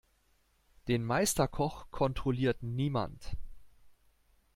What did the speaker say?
Den Meisterkoch kontrolliert niemand.